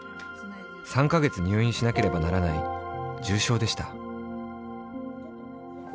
３か月入院しなければならないじゅうしょうでした。